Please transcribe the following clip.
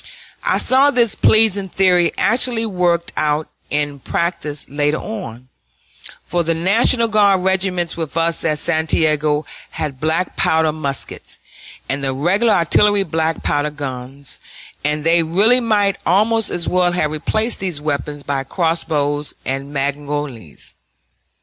I saw this pleasing theory actually worked out in practice later on, for the National Guard regiments with us at Santiago had black powder muskets, and the regular artillery black powder guns, and they really might almost as well have replaced these weapons by crossbows and mangonels.